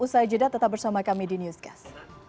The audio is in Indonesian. usai jeda tetap bersama kami di newscast